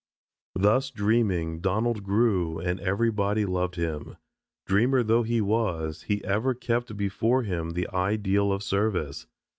Thus dreaming Donald grew and everybody loved him. Dreamer though he was, he ever kept before him the ideal of service.